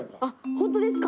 ホントですか？